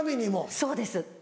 そうです。